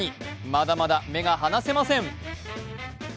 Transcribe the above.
まだまだ目が離せません。